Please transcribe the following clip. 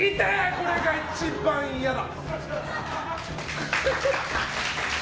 これが一番嫌だ！